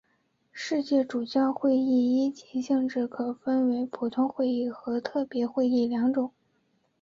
世界主教会议依其性质可分为普通会议和特别会议两种。